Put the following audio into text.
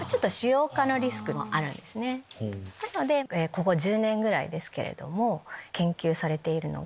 なのでここ１０年ぐらいですけども研究されているのが。